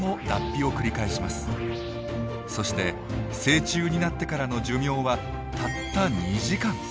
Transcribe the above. そして成虫になってからの寿命はたった２時間。